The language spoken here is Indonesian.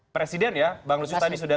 presiden ya bang lusus tadi sudah